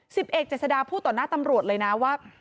สิบเอกเจษฎาพูดต่อหน้าตำรวจเลยนะว่า